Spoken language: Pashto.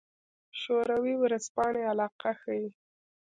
شوروي ورځپاڼې علاقه ښيي.